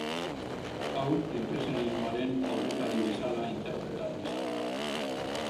Hau inpresionismoaren aurrekari bezala interpretatu izan da.